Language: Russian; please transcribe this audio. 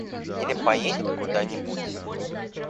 Или поедем куда-нибудь.